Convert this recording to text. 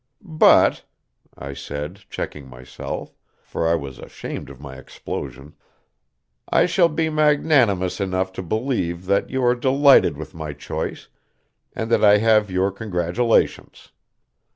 But," I said, checking myself, for I was ashamed of my explosion, "I shall be magnanimous enough to believe that you are delighted with my choice, and that I have your congratulations.